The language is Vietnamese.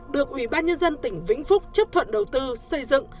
được ủy ban nhân dân tỉnh vĩnh phúc chấp thuận đầu tư xây dựng